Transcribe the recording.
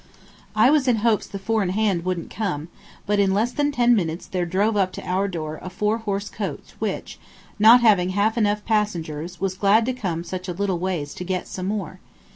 I was in hopes the four in hand wouldn't come, but in less than ten minutes there drove up to our door a four horse coach which, not having half enough passengers, was glad to come such a little ways to get some more.